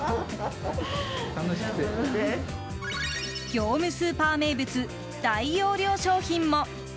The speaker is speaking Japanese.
業務スーパー名物大容量商品も。